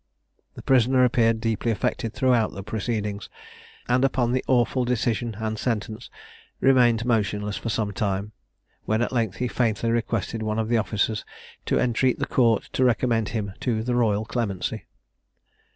The prisoner appeared deeply affected throughout the proceedings, and upon the awful decision and sentence, remained motionless for some time, when at length he faintly requested one of the officers to entreat the court to recommend him to the royal clemency.